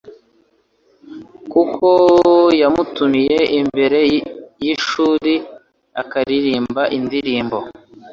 kuko yamutumiye imbere yishuri akaririmba indirimbo "